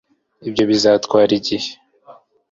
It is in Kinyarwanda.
ibyo bizatwara igihe